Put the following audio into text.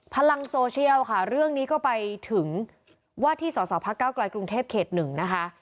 พลังโซเชียลค่ะเรื่องนี้ก็ไปถึงวัดที่สสพกกรกรุงเทพ๑นะคะ